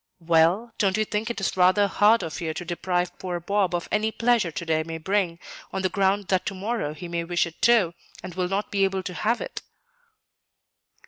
"Well, don't you think it is rather hard of you to deprive poor Bob of any pleasure to day may bring, on the ground that to morrow he may wish it too, and will not be able to have it?"